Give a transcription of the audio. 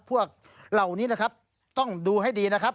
พวกเหล่านี้นะครับต้องดูให้ดีนะครับ